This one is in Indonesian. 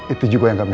itu juga yang kami